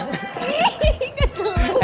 iya gue selalu bokap